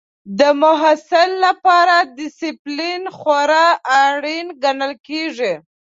د محصل لپاره ډسپلین خورا اړین ګڼل کېږي.